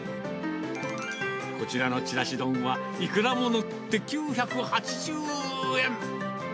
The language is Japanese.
こちらのちらし丼はイクラも載って９８０円。